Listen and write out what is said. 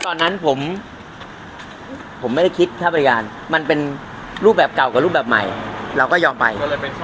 ตอนนั้นผมผมไม่ได้คิดค่าบริการมันเป็นรูปแบบเก่ากับรูปแบบใหม่เราก็ยอมไป